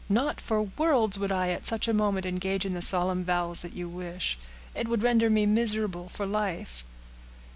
"Not for worlds would I at such a moment engage in the solemn vows that you wish. It would render me miserable for life."